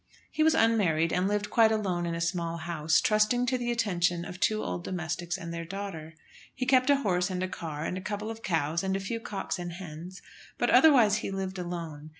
He was unmarried, and lived quite alone in a small house, trusting to the attentions of two old domestics and their daughter. He kept a horse and a car and a couple of cows and a few cocks and hens; but otherwise he lived alone.